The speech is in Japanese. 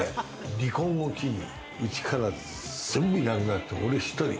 離婚を機に、いちから全部いなくなって、俺１人。